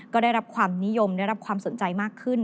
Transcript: ก็ได้รับความนิยมได้รับความสนใจมากขึ้น